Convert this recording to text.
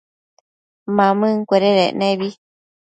Mamëncuededec nebi